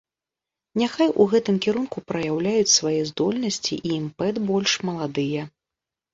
Няхай у гэтым кірунку праяўляюць свае здольнасці і імпэт больш маладыя.